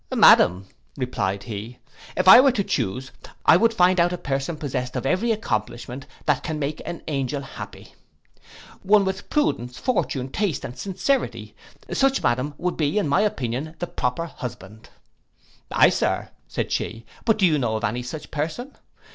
'Madam,' replied he, 'if I were to chuse, I would find out a person possessed of every accomplishment that can make an angel happy. One with prudence, fortune, taste, and sincerity, such, madam, would be, in my opinion, the proper husband.' 'Ay, Sir,' said she, 'but do you know of any such person?